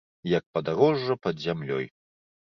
Як падарожжа пад зямлёй.